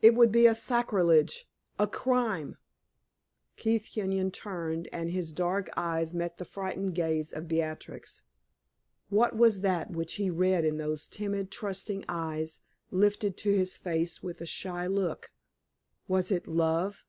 It would be sacrilege a crime!" Keith Kenyon turned, and his dark eyes met the frightened gaze of Beatrix. What was that which he read in those timid, trusting eyes lifted to his face with a shy look? Was it love?